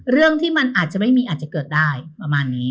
เรื่องที่มันอาจจะไม่มีอาจจะเกิดได้ประมาณนี้